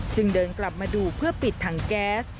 จึงเดินกลับมาดูเพื่อปิดถังแก๊ส